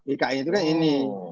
iya ikn itu kan ini